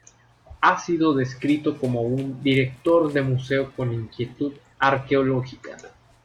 Ha sido descrito como "un director de museo con inquietud arqueológica".